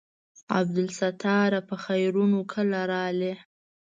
عبدالستاره په خيرونه کله رالې.